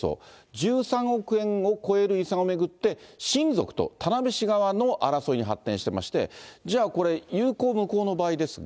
１３億円を超える遺産を巡って、親族と田辺市側の争いに発展してまして、じゃあこれ、有効無効の場合ですが。